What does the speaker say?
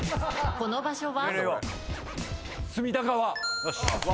この場所は？